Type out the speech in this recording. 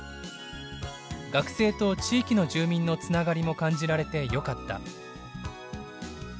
学生と地域の住民のつながりも感じられてよかった」。